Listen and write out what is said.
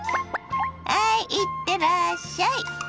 ハイいってらっしゃい。